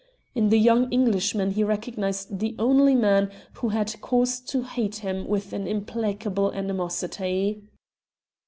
In the young Englishman he recognized the only man who had cause to hate him with an implacable animosity.